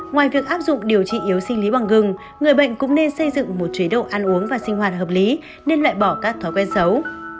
ngoài việc áp dụng điều trị yếu sinh lý bằng gừng người bệnh cũng nên xây dựng một chế độ ăn uống và sinh hoạt hợp lý nên loại bỏ các thói quen xấu